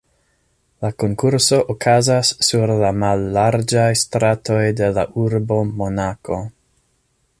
La konkurso okazas sur la mallarĝaj stratoj de la urbo Monako.